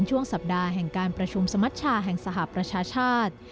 ช่วงสัปดาห์แห่งการประชุมสมัชชาแห่งสหประชาชาติ